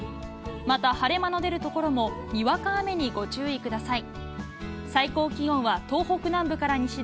また、晴れ間の出る所も、にわか雨にご注意ください。